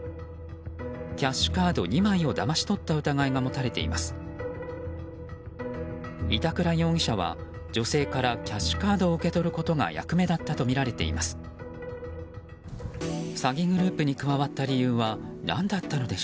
キャッシュカード２枚をだまし取った疑いが持たれています。